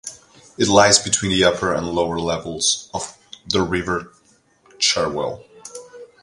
It lies between the upper and lower levels of the River Cherwell.